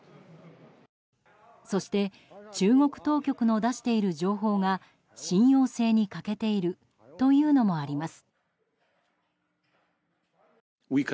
そして中国当局の出している情報が信用性に欠けているというのもあります。